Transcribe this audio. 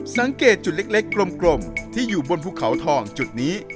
สังเกตจุดเล็กกลมที่อยู่บนภูเขาทองจุดนี้